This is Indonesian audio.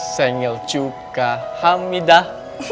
sengil cukah hamidah